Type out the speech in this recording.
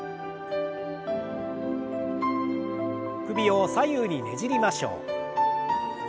首を左右にねじりましょう。